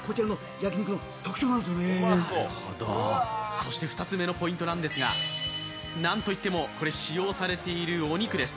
そして２つ目のポイントなんですが、なんといっても使用されているお肉です。